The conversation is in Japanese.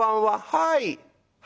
はい！